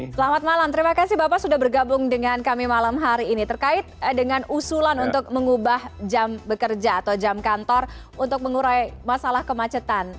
selamat malam terima kasih bapak sudah bergabung dengan kami malam hari ini terkait dengan usulan untuk mengubah jam bekerja atau jam kantor untuk mengurai masalah kemacetan